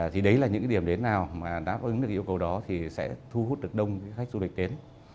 thì đấy là những cái điểm đến nào mà đáp ứng được yêu cầu đó thì sẽ thu hút được đông khách du lịch đến